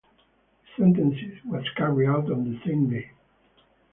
The sentence was carried out on the same day.